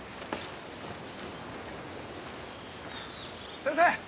「先生！